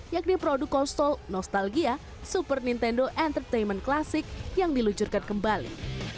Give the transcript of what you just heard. yakni produk konstol nostalgia super nintendo entertainment klasik yang diluncurkan kembali